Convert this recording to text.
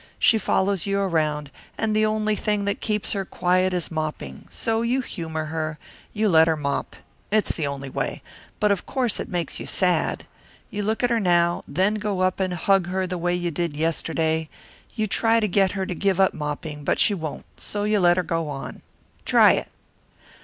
She follows you around, and the only thing that keeps her quiet is mopping, so you humour her; you let her mop. It's the only way. But of course it makes you sad. You look at her now, then go up and hug her the way you did yesterday; you try to get her to give up mopping, but she won't, so you let her go on. Try it."